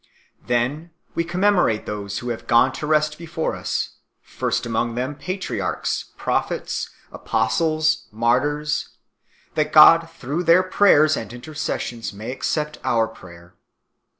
Then we commemorate those who have gone to rest bsfore us, first among them patriarchs, prophets, apostles, martyrs, that God through their prayers and intercessions may accept our prayer.